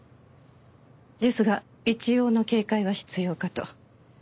ですが一応の警戒は必要かと。